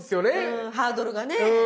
うんハードルがね。